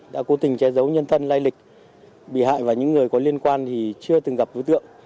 đã cố tình che giấu nhân thân lai lịch bị hại và những người có liên quan thì chưa từng gặp đối tượng